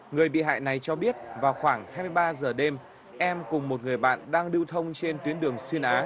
người bị hại này cho biết vào khoảng hai mươi ba giờ đêm em cùng một người bạn đang lưu thông trên tuyến đường xuyên á